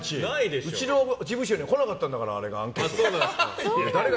うちの事務所に来なかったんだからアンケートが。